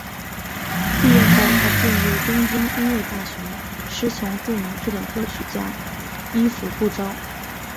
毕业后她进入东京音乐大学师从著名日本作曲家伊福部昭。